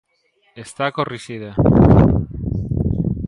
Está corrixida.